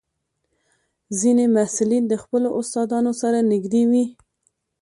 ځینې محصلین د خپلو استادانو سره نږدې وي.